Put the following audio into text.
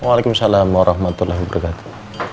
waalaikumsalam warahmatullahi wabarakatuh